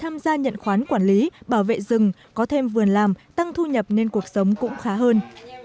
tham gia nhận khoán quản lý bảo vệ rừng có thêm vườn làm tăng thu nhập nên cuộc sống cũng khá hơn